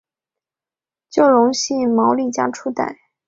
就隆系毛利家初代。